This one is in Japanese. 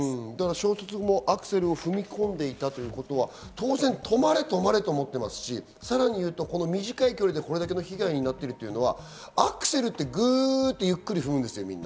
衝突後もアクセルを踏み込んでいたということは止まれ止まれと思ってますし、短い距離でこれだけの被害になっているのはアクセルって、グってゆっくり踏むんです、みんな。